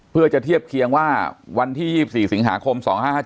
เพื่อจะเทียบเคียงว่าวันที่๒๔สิงหาคม๒๕๕๗